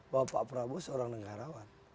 bahwa pak prabowo seorang negarawan